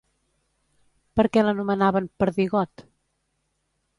Per què l'anomenaven "Perdigot"?